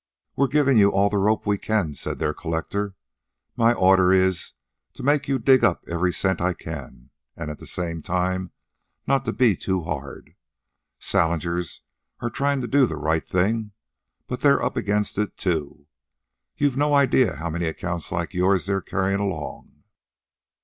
"We're givin' you all the rope we can," said their collector. "My orders is to make you dig up every cent I can and at the same time not to be too hard. Salinger's are trying to do the right thing, but they're up against it, too. You've no idea how many accounts like yours they're carrying along.